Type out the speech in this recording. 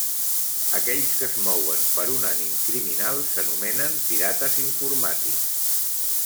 Aquells que es mouen per un ànim criminal s'anomenen pirates informàtics.